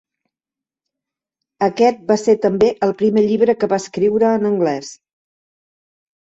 Aquest va ser també el primer llibre que va escriure en anglès.